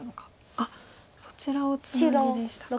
あっそちらをツナギでしたか。